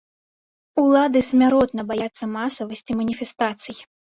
Улады смяротна баяцца масавасці маніфестацый.